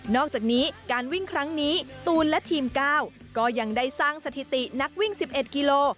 อกจากนี้การวิ่งครั้งนี้ตูนและทีม๙ก็ยังได้สร้างสถิตินักวิ่ง๑๑กิโล